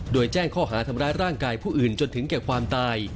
โดยแจ้งข้อหาทำร้ายร่างกายผู้อื่นจนถึงแก่ความตาย